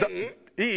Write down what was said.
いい？